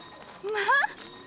まあ！